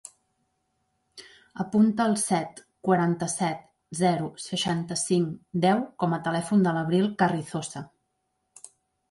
Apunta el set, quaranta-set, zero, seixanta-cinc, deu com a telèfon de l'Abril Carrizosa.